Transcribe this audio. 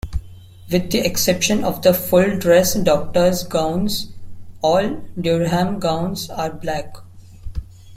With the exception of the full-dress doctors' gowns, all Durham gowns are black.